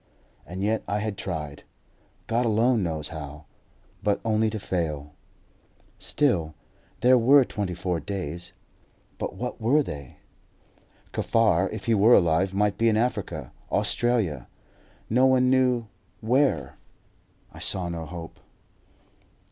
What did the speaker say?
And yet I had tried, God alone knows how; but only to fail. Still, there were twenty four days; but what were they? Kaffar, if he were alive, might be in Africa, Australia no one knew where. I saw no hope.